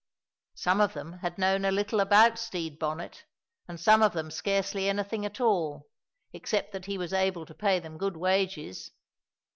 Some of them had known a little about Stede Bonnet and some of them scarcely anything at all, except that he was able to pay them good wages.